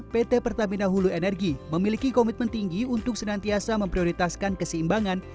pt pertamina hulu energi memiliki komitmen tinggi untuk senantiasa memprioritaskan keseimbangan